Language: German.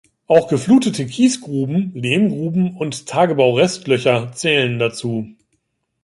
Auch geflutete Kiesgruben, Lehmgruben und Tagebaurestlöcher zählen dazu.